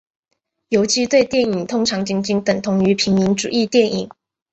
游击队电影通常仅仅等同于平民主义电影。